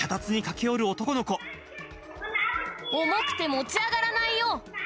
重くて持ち上がらないよ。